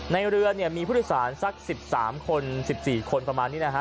เรือเนี่ยมีผู้โดยสารสัก๑๓คน๑๔คนประมาณนี้นะฮะ